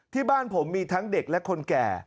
ที่บ้านผมมีทั้งเด็กและคนแก่